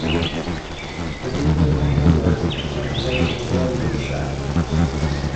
The duke went to Hamburg, and was later condemned to be shot.